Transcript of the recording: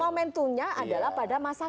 momentunya adalah pada masa